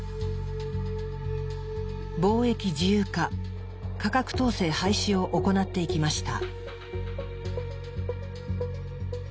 貿易自由化価格統制廃止を行っていきました。